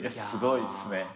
すごいっすね。